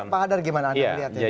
pak hadar gimana anda melihatnya